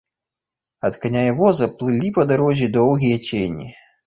Ад каня і воза плылі па дарозе доўгія цені.